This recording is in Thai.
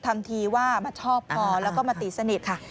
ทำทีว่ามาชอบพอแล้วก็มาตีสนิทค่ะ